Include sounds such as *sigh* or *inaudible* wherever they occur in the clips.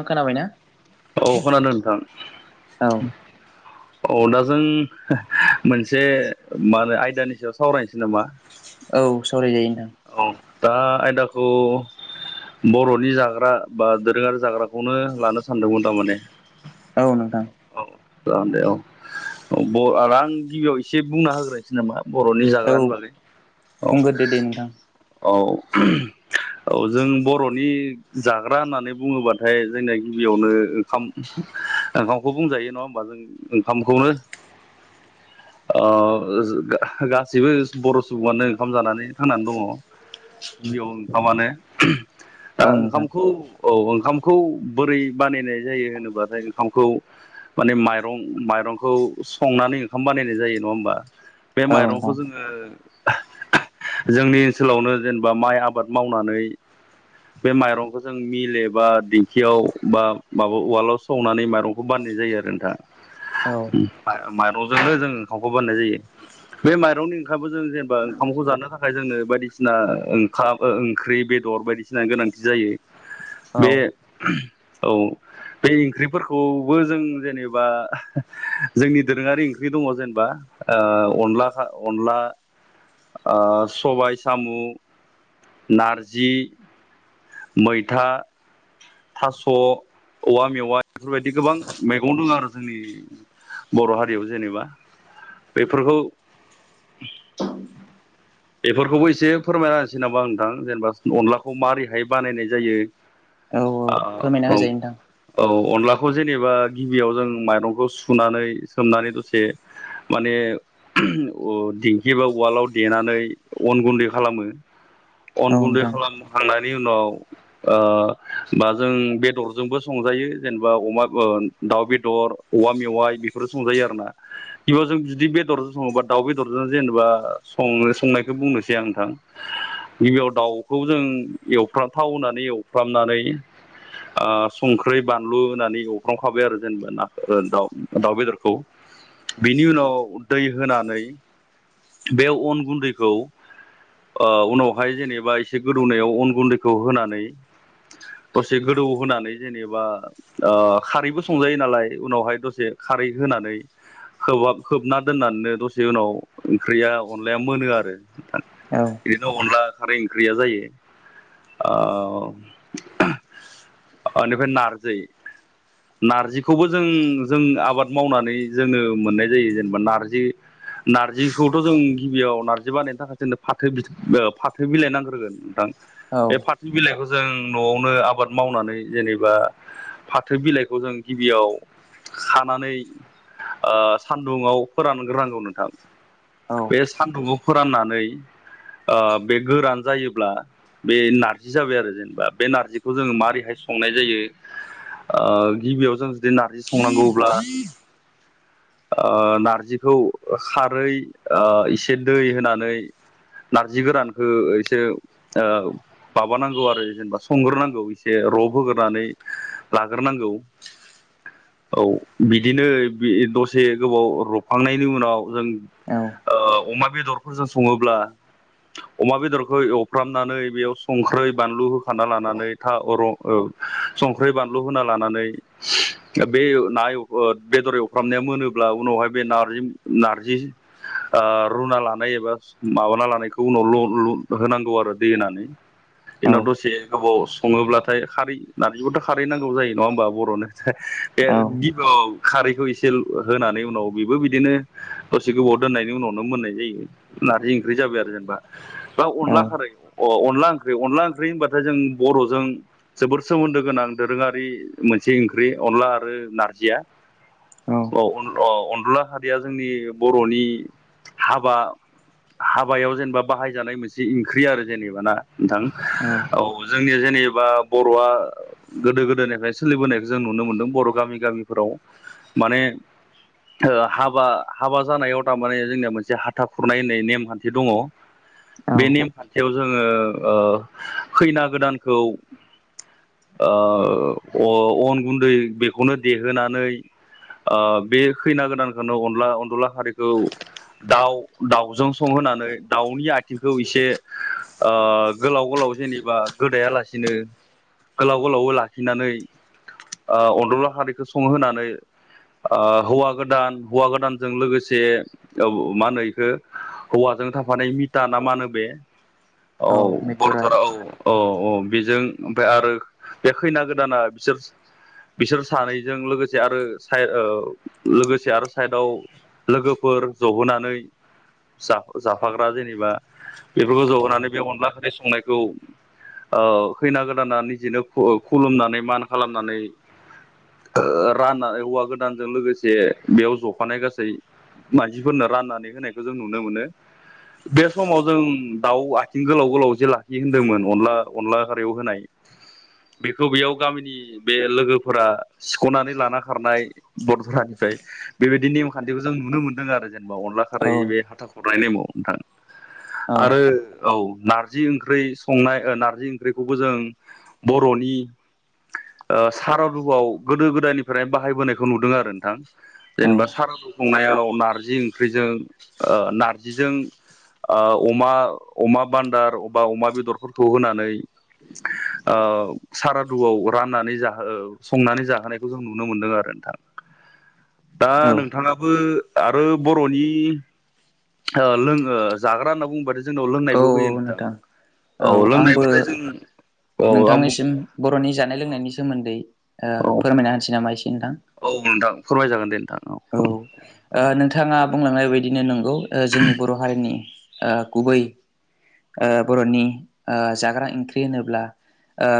आं खोनाबायना? औ खोनादों नोंथां। औ औ दा जों मोनसे मा होनो आयदानि सायाव सावरायनोसै नामा? औ सावरायजायो नोंथां औ दा आयदाखौ बर'नि जाग्रा बा दोरोङारि जाग्राखौनो लानो सान सानदोंमोन थारमाने औ नों औ जागोन दे औ औ आरो आं गिबियाव एसे बुंना होग्रायसै नामा बर'नि औ जाग्रानि बागै औ- बुंग्रोदो दे नोंथां औ जों बर'नि जाग्रा होननानै बुङोबाथाय जोंना गिबियावनो ओंखाम ओंखामखौ बुंजायो नङा होमबा जों ओंखामखौनो गाससिबो बर' सुबुआनो ओंखाम जानानै थांनानै दङ। गिबियाव ओंखामानो ओ औ नोंथां ओंखामखौ औ ओंखामखौ बोरै बानायनाय जायो होनोबाथाय ओंखामखौ माने माइरं माइरंखौ संनानै ओंखाम बानायनाय जायो नङा होमबा? बे औ माइरंखौ नोंथां जोङो *inaudible* जोंनि ओनसोलावनो जेनेबा माइ आबाद मावनानै बे माइरंखौ जों मिल एबा दिंखियाव बा माबा उवालाव सौनानै माइरंखौ बान नायनाय जायो आरो औ नोंथां माइरंजोंनो जों ओंखामखौ बानायनाय जायो। बे माइरंनि ओंखामखो जों जेनेबा ओंखामखौ जानो थाखाय जोंनो बायदिस सिना ओंखाम ओ ओंख्रि बेदर बायदिसिना गोनांथि जायो औ बे *unintelligible* औ बे ओंख्रिफोरखौबो जों जेनेबा जोंनि दोरोङारिं *unintelligible* दङ' जेनबा ओ अनलाखा अनला ओ सबाय सामु नारजि मैथा थास' औवा मेवाइ बेफोरबायदि गोबां मैगं दोङो आरो जोंनि बर' हारियाव जेनेबा बेफोरखौ बेफोरखौबो एसे फोरमायना होनोसै नामा नोंथां जेनेबा अनलाखौ मारैहाय बानायनाय जायो औ फोरमायना ओ औ होजायो नोंथां औ अनलाखौ खौ जेनेबा गिबियाव जों माइरंखौ सुनानै सोमनानै दसे माने *unintelligible* दिंखिबा उवालाव देनानै अन गुन्दै खालामो अन औ गुन्दै नोंथां खालामखांनायनि उनाव ओ दा जों बेदरजोंबो संजायो जेनेबा अमा ओ दाउ बेदर औवा मेवाइ बेफोर संजायो आरोना इयाव जों जुदि बेदरजों सङोबा दाउ बेदरजों जेनेबा सं-संनायखौ बुं‌ बुंनोसै आं नोंथां गिबियाव दाउखौ जों एवफ्राम थाव होनानै एवफ्रामनानै *unintelligible* ओ संख्रि बानलु होनानै एवफ्रामखाबाय आरो जेनेबा नाखो ओ दाउ -दाउ बेदरखौ बिनि उनाव दै होनानै बे अन गुन्दैखौ ओ उनावहाय जेनेबा एसे गोदौनायाव अन गुन्दैखौ होनानै दसे गोदौ होनानै जेनेबा ओ खारैबो संजायो नालाय उनावहाय दसे खारै होन नानै खोबाब खोबना दोननानो दसे उनाव ओंख्रिया अनलाया मोनो आरो औ इदिनो अनला खारै ओंख्रिया जायो ओ *unintelligible* ओनिफाय नारजै नारजिखौबो जों-जों आबाद मावनानै जोङो मोननाय जायो जेनेबा नारजि नारजिखौथ' जों गिबियाव नारजि बानायनो थाखाय जोंनो फाथो बिथ ओ फाथो बिलाइ नांग्रोगोन नोंथां औ बे फाथो बिलाइखौ जों न'आवनो आब बाद मावनानै जेनेबा फाथो बिलाइखौ जों गिबियाव खानानै ओ सानदुङाव फोरानग्रोनांगौ नोंथां औ बे सान्दुंआव फोराननानै ओ बे गोरान जायोब्ला बे नारजि जाबाय आरो जेनबा बे नारजि खौ जोङो मारैहाय संनाय जायो ओ गिबियाव जों जुदि नारजि संनांगौब्ला ओ नारजिखौ खारै ओ इसे दै होनानै नारजि गोरानखो इसे ओ माबानांगौ आरो जेनबा संग्रोनां गौ इसे रब होग्रोनानै लाग्रोनांगौ औ बिदिनो बि दसे गोबाव रबखांनायनि उनाव जों औ ओ अमा बेदरफोरजों सङोब्ला अमा बेदरखौ एवफ्रामनानै बेयाव संख्रै बानलु होखाना लानानै थाव रं ओ संख्रै बानलु होना लानानै ओ बे ना एव ओ बेदर एवफ्रामनाया मोनोब्ला उनावहाय बे नारजि-नारजि ओ रुना लानाय एबा माबाना लानायखौ उनाव ल'ल होनांगौ आरो दै होनानै बेनि औ उनाव दसे गोबावस सङोब्लाथाय खारै नारजिबाथ' खारै नांगौ जायो नङा होनबा बर'नो औ *unintelligible* रैखौ इसे होनानै उनाव बेबो बिदिनो दसे गोबाव दोननायनि उनावनो मोननाय जायो नार जि ओंख्रि जाबाय आरो जेनबा बा अनला खारै अ - अनला ओंख्रि अनला ओंख्रि होनबाथाय जों बर'जों जोबोर सोमोन्दो गोनां दोरोङारि मोनसे ओंख्रि अनला आरो नारजिया अ अ अनदला‌ खारिया जोंनि बर'नि हाबा हाबायाव जेनबा बाहायजानाय मोनसे ओंख्रि आरो जेनेबा ना नोंथां औ । जोंनिया जेनेबा बर'आ गोदो गोदायनिफ्राय सोलिबोनाय जों नुनो मोनदों बर' गामि गामिफोराव माने ओ हाबा हाबा जानायाव थारमाने जोंनिया मोनसे हाथा खुरनाय होननाय नेमखान्थि दङ । औ बे नेमखान्थियाव जोङो ओ खैना गोदानखौ ओ अ अन गुन्दै बेखौनो देहोनानै ओ बे खैना गोदानखौनो अनला अनदला खारिखौ दाउ दाउजों संहोनानै दाउनि आथिंखौ एसे ओ गोलाव गोलाव जेनेबा गोदाया लासिनो गोलाव गोलावबो लाखिनानै ओ अदला खारिखौ संहोनानै ओ हौवा गोदान हौवा गोदानजों लोगोसे औ मा होनो बेखौ हौवा जों थाफानाय मिटा ना मानो बे औ बरथारा औ । अ अ बेजों ओमफ्राय आरो बे खैना गोदाना बिसोर बिसोर सानैजों लोगोसे आरो साइ ओ लोगोसे आरो साइडआव लोगोफोर फोर जहोनानै जा जाफाग्रा जेनेबा बेफोरखौ जहोनानै बे अनला खारै संनायखौ ओ खैना गोदाना निजेनो खु-खुलुमनानै मान खालामनानै ओ राननानै हौवा गोदानजों लोगोसे बेयाव जफानाय गासै मानसिफोरनो राननानै होनायखौ जों नुनो मोनो । बे समाव जों दाउ आथिं गोलाव गोलाव जे लाखियो होनदोंमोन अनला अनला खारियाव होनाय बेखौ बेयाव गामिनि बे लोगोफोरा सिख'नानै लाना खारनाय बर थरानिफ्राय बेबायदि नेमखान्थिखौ जों नुनो मोन्दों आरो जेनेबा अनला औ खारै बे हाथा खुरनाय नेमाव नोंथां औ । आरो औ नारजि ओंख ख्रै संनाय ओ नारजि ओंख्रिखौबो जों बर'नि ओ सारादुआव गोदो गोदायनिफ्राय बाहायबोनायखौ नुदों आरो नोंथां औ जेनेबा सारादु खुंनायाव नार्जि ओंख्रिजों ओ नारजिजों ओ अमा अमा बान्दार अब्बा अमा बेदरफोरखौ होनानै ओ सारादुआव राननानै जाहो ओ संनानै जाहोनायखौ जों नुनो मोनदों आरो नोंथां । दा औ नोंथाङाबो आरो बर'नि ओ लोंङ जाग्रा होनना बुंबाथाय जोंनाव लोंनायबो फैयो नोंथां । औ आंबो औ आं बुं नोंथांनिसिम बर'नि जानाय लोंनायनि सोमोन्दै ओ औ फोरमायना होनोसै नामा इसे । औ नोंथां फोरमाय जागोन दे नोंथां औ औ । नोंथाङा बुंलांनाय बायदिनो नंगौ ओ जोंनि बर' हारिनि ओ गुबै ओ बर'नि ओ जाग्रा ओंख्रि होनोब्ला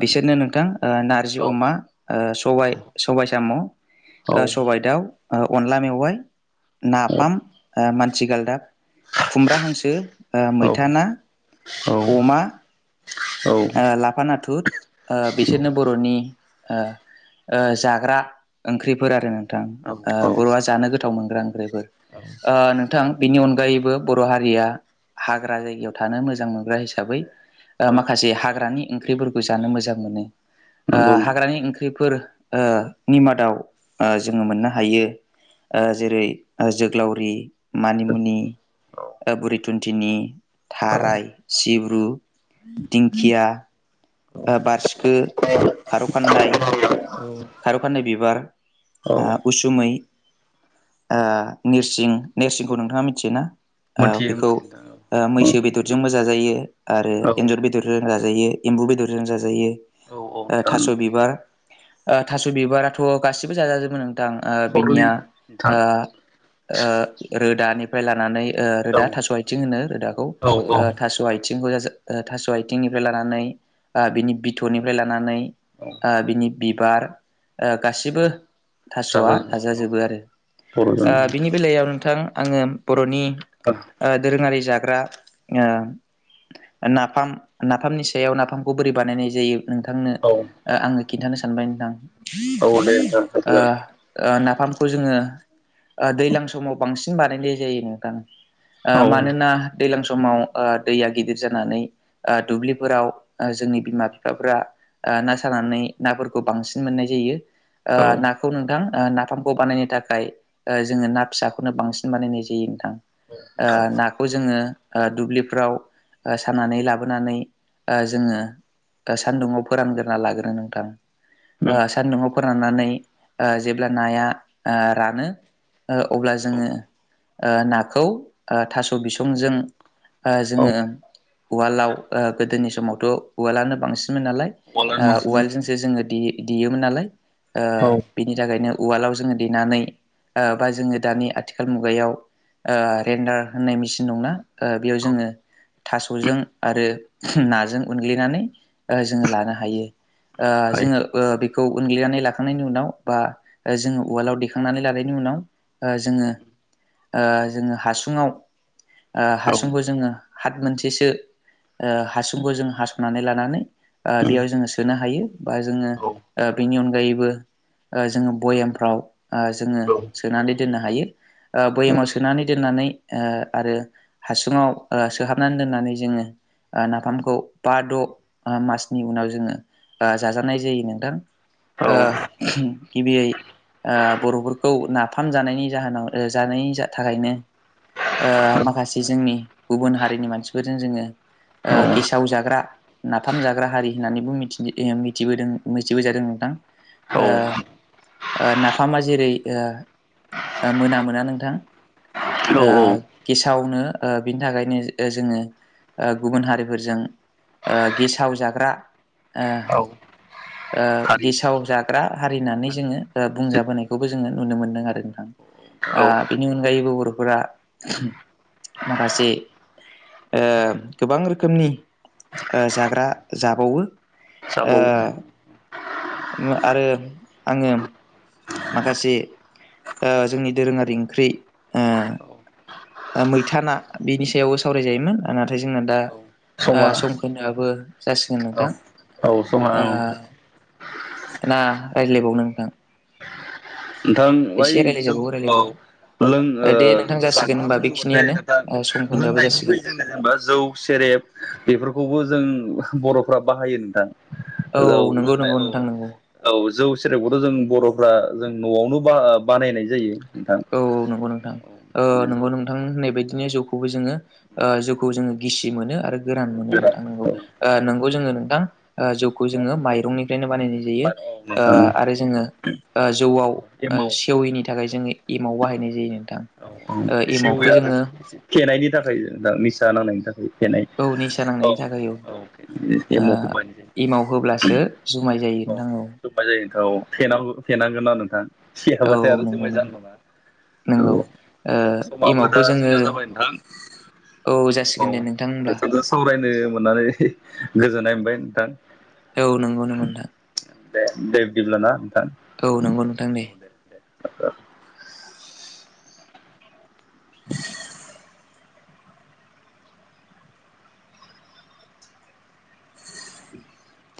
बिसोरनो नोंथां ओ नारजि अमा ओ सबाय औ सबाय साम' ओ औ सबाय दाउ ओ अनला मेवाइ औ नाफाम ओ मानथि गालदाब खुमब्रा हांसो ओ औ मैथा ना अमा औ ओ लाफा नाथुर ओ बिसोरनो बर'नि ओ ओ जाग्रा ओंख्रिफोर आरो‌ नों थां औ ओ औ बर'आ जानो गोथाव मोनग्रा ओंख्रिफोर ओ नोंथां बेनि अनग गायैबो बर' हारिया हाग्रा जायगायाव थानो मोजां मोनग्रा हिसाबै ओ औ । माखासे हाग्रानि ओंख्रिफोरखौ जानो मोजां मोनो ओ नंगौ हाग्रानि ओंख्रिफोर ओ निमादाव जोङो मोननो हायो जेरै जोग्लावरि मानिमुनि नोंथां ओ बुरि थुन थिनि औ थाराय, सिब्रु, दिंखिया आ बारसिखो खार' खान्दाय औ खार' खानदाय बिबार औ उसुमै ओ नोरसिं नेरसिंखौ नोंथाङा मिथियोना मोनथियो बेखौ मोनथियो नोंथां मैसो बेदरजोंबो जाजायो। आरो औ एन्जर बेदरजों जाजायो एम्बु बेदरजों जाजायो। औ ओ नोंथां थास' बिबार ओ थास' बिबाराथ' गासिबो जाजाजोबो नों थां ओ सरलिन बिनिया नोंथां ओ ओ रोदानिफ्राय लानानै ओ औ रोदा थास' आइथिं होनो रोदाखौ औ औ ओ थास' आइ थिंखौ ज थास' आथिंनिफ्राय लानानै बिनि बिथनिफ्राय लानानै। औ आ बिनि बिबार ओ गासिबो थास'आ जागोन औ थाजाजोबो आरो। बर'जों ओ बिनि बेलायाव नोंथां आङो बर'नि ओ दोरोङारि जा ग्रा नाफाम नाफामनि सायाव नाफामखौ बोरै बानायनाय जायो नोंथांनो औ ओ आङो खिन्थानो सानबाय नोंथां। औ दे ओ नोंथां ओ ना पामखौ जोङो ओ दैज्लां समाव बांसिन बानायनाय जायो नोंथां। ओ औ मानोना दैज्लां समाव ओ दैया गिदिर जानानै ओ दुब्लिफोराव ओ जोंनि बिमा बिफाफ्रा ओ ना सानानै नाफोरखौ बांसिन मोननाय जायो। ओ औ नाखौ नोंथां ओ नाफामखौ बानायनो थाखाय ओ जोङो ना फिसाखौनो बांसिन बानायनाय जायो नोंथां। ओ नाखौ जोङो ओ दुब्लिफ्राव ओ सानानै लाबोनानै ओ जोङो दा सान्दुङाव फोरानग्रोना लागोरो नोंथां। ओ सान्दुंआव फोराननानै ओ जेब्ला नाया ओ रानो ओ अब्ला जोङो ओ नाखौ ओ थास' बिसंजों ओ जोङो उवालदआव ओ गोदोनि समावथ' उवालदानो बांसि मोन नालाय औवालाय ओ मानसिमोन उवालदजोंसो जोङो देयो देयोमोन नालाय ओ औ बेनि थाखायनो उवालाव जोङो देनानै ओ बा जोङो दानि आथिखाल मुगायाव ओ रेडार होननाय मेसिन दंना? ओ बेयाव औ जोङो थास'जों आरो नाजों उनग्लिनानै जोङो लानो हायो। ओ हाय जोङोबो बे खौ उनग्लिनानै लाखांनायनि उनाव बा जोङो उवालाव दैेखांनानै लानायनि उनाव ओ जोङो ओ जोङो हासुङाव ओ औ हासुंखौ जोङो हात मोनसेसो ओ हासुंखौ जों हास'नानै लानानै ओ औ बेयाव जोङो सोनो हायो। बा जोङो औ ओ बेनि अनगायैबो ओ जोङो भयेमफ्राव आ जोङो औ सोनानै दोननो हायो। ओ बयामाव सोनानै दोननानै ओ आरो हासुङाव सोहाबनानै दोननानै जोङो नाफामखौ बा द' मासनि उनाव जोङो जाजानाय जायो नोंथां ओ गिबियै ओ बर'फोरखौ नाफाम जानायनि जाहोनाव जानायनि थाखायनो ओ माखासे जोंनि गुबुन हारिनि मानसिफोरजों जोङो ओ गेसाव जा ग्रा नाफाम जाग्रा हारि होननानैबो मिथि मिथिबो दों मिथिबोजादों नोंथां। औ। ओ ओ नाफामा जेरै ओ मोनामोना नोंथां । ओ गेसावनो ओ बिनि थाखायनो ओ जोङो गुबुन हारिफोरजों ओ गेसाव जाग्रा ओ औ ओ हारि गेसाव जाग्रा हारिनानै जोङो हारि बुंजाबोनायखौबो जोङो नुनो मोनदों आरो नोंथां। ओ जाबावो बिनि अनगायैबो बर'फोरा माखासे ओ गोबां रोखोमनि ओ जाग्रा जाबावो ओ जाबावो आरो आङो माखासे जोंनि ओ दोरोङारि ओंख्रि ओ ओ मैथा ना बिनि सायावबो सावरायजायोमोन नाथाय जोंङो दा औ ओ समा सम खोन्दोआबो जासिगोन औ नोंथां। औ समा ओ औ ना रायज्लायबावनो नोंथां? नोंथां बै एसे जों रायज्लायजाबावो औ ओ रायज्लायबा ओ लों दे नोंथां जासिगोन जाग्रा होनबा बुङोबाथाय बेखिनियानो ना ओ सम खोन्दोआबो लोंनायबो जासिगोन फैयो जोंनो जेनेबा जौ सेर टेब बेफोरखौबो जों बर'फ्रा बाहायो नोंथां औ नंगौ लोंनाय नंगौ औ नोंथां नंगौ औ जौ सेरेबखौथ' जों बर'फ्रा जों न'आवनो बा-बानायनाय जायो । औ नंगौ नोंथां जौ नंगौ औ नोंथां होननाय बायदि औ नि जौखौबो जोङो ओ जौखौ जोङो गिसि मोनो आरो गोरान मोनो नोंथां ओ नोंगौ जोङो नोंथां ओ जौखौ जोङो माइरंनिफ्रायनो बानायनाय जायो मा औ । ओ नोंथां आरो जोङो ओ जौआव ओ एमाव सेवैनि थाखाय जोनि एमाव बाहायनाय जायो नोंथां। औ औ आरो सेवो एमावखौ आरो जोङो फेनायनि थाखाय जों दा निसा नांनायनि थाखाय देनाय औ निसा औ नांनायनि थाखाय औ बे ओ मावख'बाय एमाव होब्लासो जुमाय जायो औ नोंथां जोबनाय *unintelligible* फेनांगोनना नों औ सेखाबाथाय आरो नंगौ जुमाय नंगौ जानो नामा नंगौ औ ओ समाबो दा एमावखौ जोङो जोंना जाबाय नोंथां औ जासिगोन औ दे नोंथां होमब्ला जोंथ' सावरायनो मोननानै गोजोननाय मोनबाय नोंथां । औ नंगौ नंगौ थां। दे दे बिदिब्ला ना औ नंगौ नोंथां दे। औ *inaudible* *inaudible*